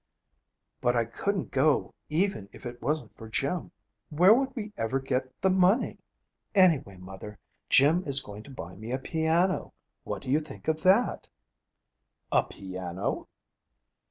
'But I couldn't go even if it wasn't for Jim. Where would we ever get the money? Anyway, mother, Jim is going to buy me a piano. What do you think of that?' 'A piano?'